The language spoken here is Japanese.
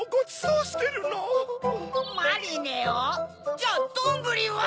じゃあどんぶりは？